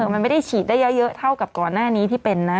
มันไม่ได้ฉีดได้เยอะเท่ากับก่อนหน้านี้ที่เป็นนะ